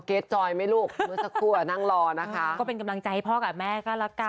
ออกเก็ตจอยไหมลูกเมื่อสักครู่อะนั่งรอนะคะก็เป็นกำลังใจพ่อกับแม่ก็รักกันนะคะ